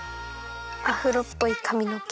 アフロっぽいかみのけ。